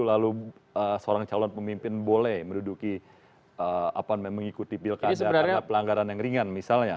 lalu seorang calon pemimpin boleh menduduki mengikuti pilkada karena pelanggaran yang ringan misalnya